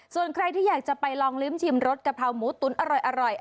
ส่วนใครที่อยากจะไปลองลิ้มชิมรสกะเพราหมูตุ๋นอร่อย